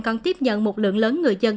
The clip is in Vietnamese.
còn tiếp nhận một lượng lớn người dân